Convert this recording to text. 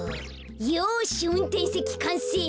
よしうんてんせきかんせい。